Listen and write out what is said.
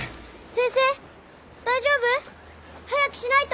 先生大丈夫？早くしないと。